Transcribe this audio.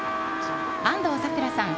安藤サクラさん